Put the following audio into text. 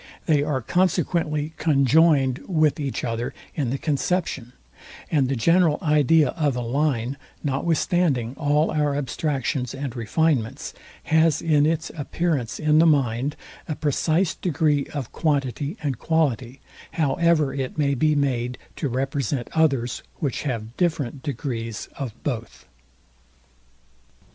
They are consequently conjoined with each other in the conception; and the general idea of a line, notwithstanding all our abstractions and refinements, has in its appearance in the mind a precise degree of quantity and quality; however it may be made to represent others, which have different degrees of both.